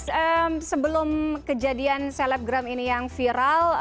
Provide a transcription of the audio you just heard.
sebelum kejadian celebgram ini yang viral